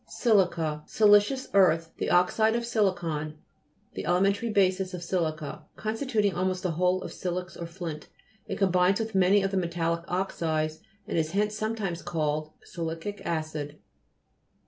SI'LICA Silicious earth ; the oxide of silicon (the elementary basis of si lica), constituting almost the whole of silex or flint. It combines with many of the metallic oxides, and is hence sometimes called sili'cic acid.